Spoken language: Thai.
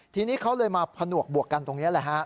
ทีนี้เขาเลยมาผนวกบวกกันตรงนี้